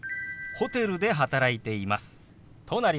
ホテルで働いています。